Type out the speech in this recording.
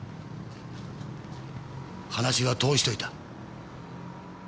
話は通しといた。